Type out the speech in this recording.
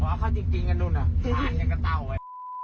หว่าเขาจริงกันดูนะขานอย่างกระเต้าไว้